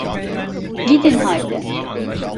Gidin haydi.